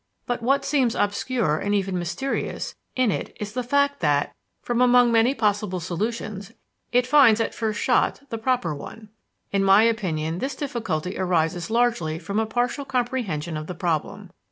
But what seems obscure and even mysterious in it is the fact that, from among many possible solutions, it finds at the first shot the proper one. In my opinion this difficulty arises largely from a partial comprehension of the problem.